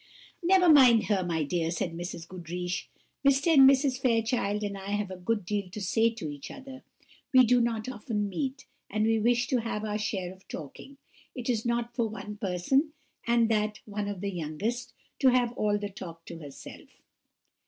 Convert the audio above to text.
"Never mind her, my dear," said Mrs. Goodriche: "Mr. and Mrs. Fairchild and I have a good deal to say to each other; we do not often meet, and we wish to have our share of talking; it is not for one person, and that one of the youngest, to have all the talk to herself."